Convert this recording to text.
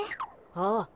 ああ。